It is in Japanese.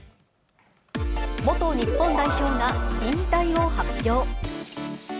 元日本代表が引退を発表。